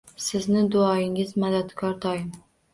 Sizni duoyingiz madadkor doim